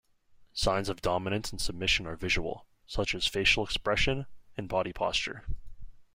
Signs of dominance and submission are visual, such as facial expression and body posture.